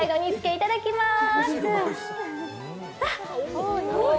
いただきます。